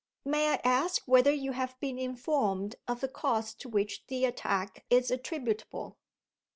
"May I ask whether you have been informed of the cause to which the attack is attributable?"